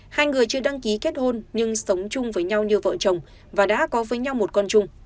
hai người chưa đăng ký kết hôn nhưng sống chung với nhau như vợ chồng và đã có với nhau một con chung